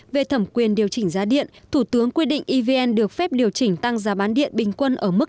về thẩm quyền điều chỉnh giá điện thủ tướng quy định evn được phép điều chỉnh tăng giá bán điện bình quân ở mức